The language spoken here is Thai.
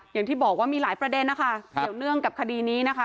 อย่างที่บอกว่ามีหลายประเด็นนะคะเกี่ยวเนื่องกับคดีนี้นะคะ